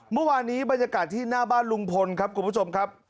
เมื่อวานนี้บรรยากาศที่หน้าบ้านลุงพลครับคุณผู้ชมครับ